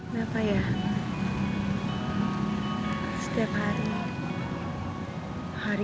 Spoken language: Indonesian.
tetapi ketika kamu kembali ke rumah ini